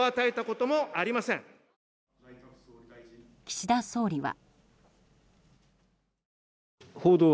岸田総理は。